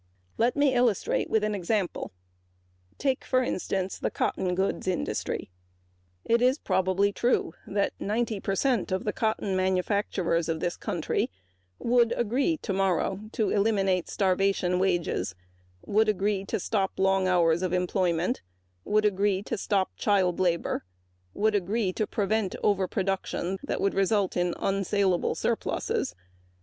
Let me illustrate with an example. Take the cotton goods industry. It is probably true that ninety percent of the cotton manufacturers would agree to eliminate starvation wages, would agree to stop long hours of employment, would agree to stop child labor, would agree to prevent an overproduction that would result in unsalable surpluses.